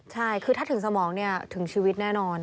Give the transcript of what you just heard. ใช่คือถ้าถึงสมองเนี่ยถึงชีวิตแน่นอน